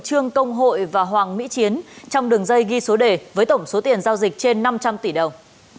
trương công hội và hoàng mỹ chiến trong đường dây ghi số đề với tổng số tiền giao dịch trên năm trăm linh tỷ đồng